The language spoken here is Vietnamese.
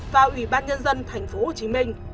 và ủy ban nhân dân tp hcm